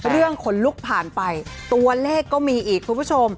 ขนลุกผ่านไปตัวเลขก็มีอีกคุณผู้ชม